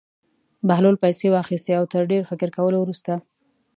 بهلول پېسې واخیستې او تر ډېر فکر کولو وروسته.